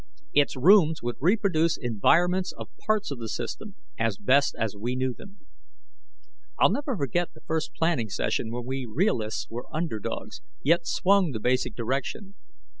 Its rooms would reproduce environments of parts of the System, as best we knew them. I'll never forget the first planning session when we realists were underdogs, yet swung the basic direction.